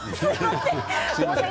すみません。